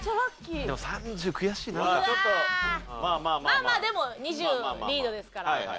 まあまあでも２０リードですから。